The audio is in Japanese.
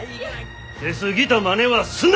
出過ぎたまねはすんな！